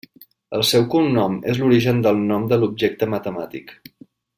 El seu cognom és l'origen del nom de l'objecte matemàtic.